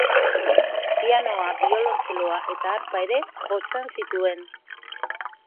Pianoa, biolontxeloa eta harpa ere jotzen zituen.